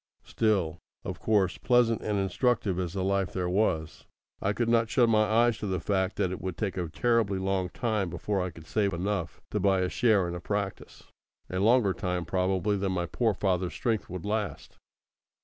Still, of course, pleasant and instructive as the life there was, I could not shut my eyes to the fact that it would take a terribly long time before I could save enough to buy a share in a practice a longer time probably than my poor father's strength would last.